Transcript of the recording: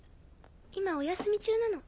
今お休み中なの。